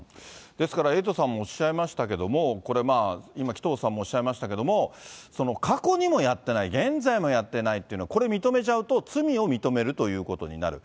ですからエイトさんもおっしゃいましたけれども、これ今、紀藤さんもおっしゃいましたけれども、過去にもやってない、現在もやってないというのは、これ認めちゃうと、罪を認めるということになる。